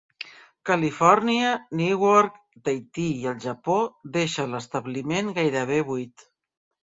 Califòrnia, Newark, Tahití i el Japó deixa l'establiment gairebé buit.